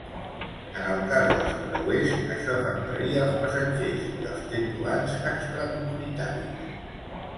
En el cas dels creuers això afectaria als passatgers i als tripulants extracomunitaris.